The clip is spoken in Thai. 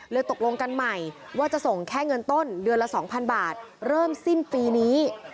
ตกลงกันใหม่ว่าจะส่งแค่เงินต้นเดือนละ๒๐๐บาทเริ่มสิ้นปีนี้